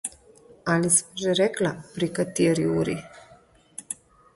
Ali sva že rekla ob kateri uri?